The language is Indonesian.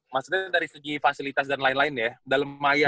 maksudnya dari segi fasilitas dan lain lain ya